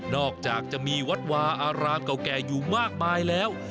อกจากจะมีวัดวาอารามเก่าแก่อยู่มากมายแล้ว